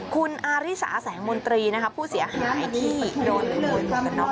คุณอาริสาแสงมนตรีนะคะผู้เสียหายที่โดนขโมยหมวกกันน็อ